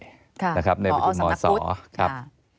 ครับอ๋อสมัครพุทธนะครับในประชุมหมอสครับ